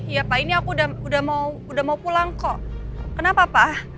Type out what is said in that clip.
iya pak ini aku udah mau pulang kok kenapa pak